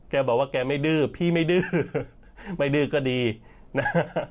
แกบอกว่าแกไม่ดื้อพี่ไม่ดื้อไม่ดื้อก็ดีนะ